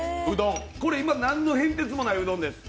今、これ何の変哲もないうどんです